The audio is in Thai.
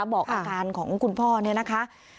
บอกอาการของคุณพ่อเนี่ยนะคะ